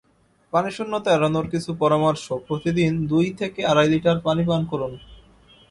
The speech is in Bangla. পানিশূন্যতা এড়ানোর কিছু পরামর্শপ্রতি দিন দুই থেকে আড়াই লিটার পানি পান করুন।